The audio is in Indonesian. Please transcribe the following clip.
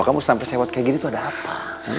kamu sampai sewat kayak gini tuh ada apa